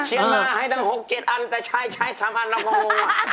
เขียนมาให้ตั้งหกเจ็ดอันแต่ชายชายสามอันแล้วโห